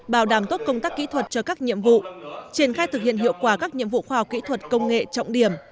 bảo đảm tốt công tác kỹ thuật cho các nhiệm vụ triển khai thực hiện hiệu quả các nhiệm vụ khoa học kỹ thuật công nghệ trọng điểm